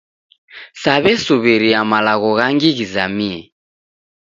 Saw'esuw'iria malagho ghangi ghizamie